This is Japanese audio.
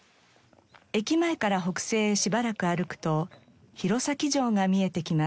駅前から北西へしばらく歩くと弘前城が見えてきます。